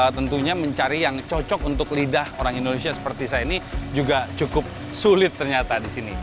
tentunya mencari yang cocok untuk lidah orang indonesia seperti saya ini juga cukup sulit ternyata di sini